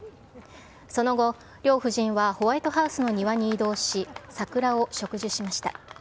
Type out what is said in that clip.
その後、両夫人はホワイトハウスの庭に移動し、桜を植樹しました。